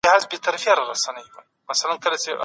هغوی ستاسو د ژوند ملګري مور او پلار دي.